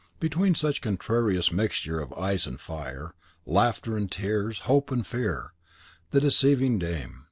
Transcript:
(Between such contrarious mixtures of ice and fire, laughter and tears, fear and hope, the deceiving dame.)